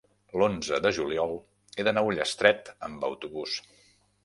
l'onze de juliol he d'anar a Ullastret amb autobús.